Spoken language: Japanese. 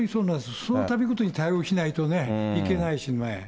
そのたびごとに対応しないといけないしね。